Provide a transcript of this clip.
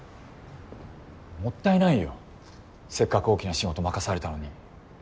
もったいないよせっかく大きな仕事任されたのに。